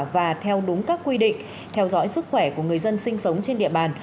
và theo đúng các quy định theo dõi sức khỏe của người dân sinh sống trên địa bàn